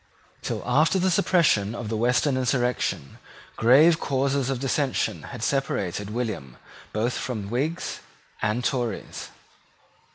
Till after the suppression of the Western insurrection grave causes of dissension had separated William both from Whigs and Tories.